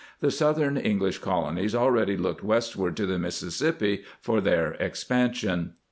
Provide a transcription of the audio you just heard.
The southern English colonies already looked westward to the Missis sippi for their expansion.